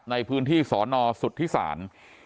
ในพื้นที่สอนอสุทธิศาล